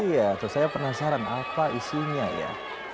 iya saya penasaran apa isinya ya